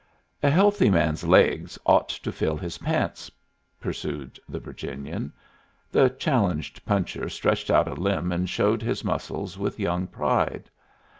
"A healthy man's laigs ought to fill his pants," pursued the Virginian. The challenged puncher stretched out a limb and showed his muscles with young pride.